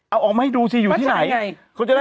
เอาออกมาให้ดูสิอยู่ที่ไหน